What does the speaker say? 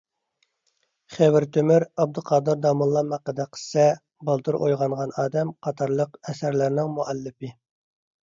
خېۋىر تۆمۈر «ئابدۇقادىر داموللام ھەققىدە قىسسە»، «بالدۇر ئويغانغان ئادەم» قاتارلىق ئەسەرلەرنىڭ مۇئەللىپى.